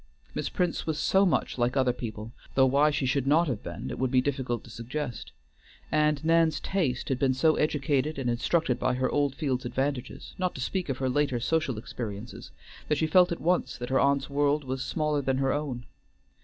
Miss Prince was so much like other people, though why she should not have been it would be difficult to suggest, and Nan's taste had been so educated and instructed by her Oldfields' advantages, not to speak of her later social experiences, that she felt at once that her aunt's world was smaller than her own.